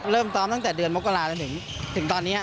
เริ่มซ้อมตั้งแต่เดือนมกราจนถึงตอนนี้